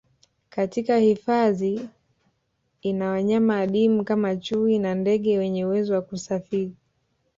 Katika hifadhi ina wanyama adimu kama chui na ndege wenye uwezo wa kusafiri